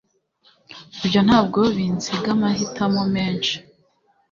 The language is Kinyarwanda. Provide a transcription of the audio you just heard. Ibyo ntabwo binsiga amahitamo menshi.